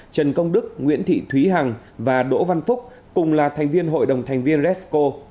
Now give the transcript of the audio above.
trần công đức nguyễn thị thúy hằng và đỗ văn phúc cùng là thành viên hội đồng thành viên resco